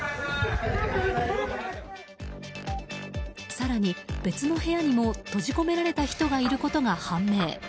更に、別の部屋にも閉じ込められた人がいることが判明。